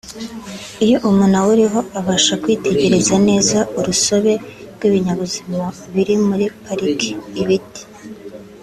Iyo umuntu awuriho abasha kwitegereza neza urusobe rw’ibinyabuzima biri muri Pariki (ibiti